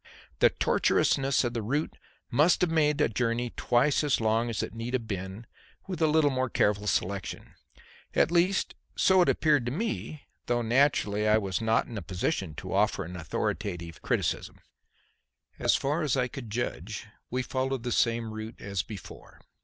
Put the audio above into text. The tortuousness of the route must have made the journey twice as long as it need have been with a little more careful selection. At least so it appeared to me, though, naturally, I was not in a position to offer an authoritative criticism. As far as I could judge, we followed the same route as before.